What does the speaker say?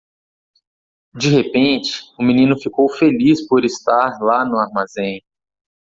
De repente, o menino ficou feliz por estar lá no armazém.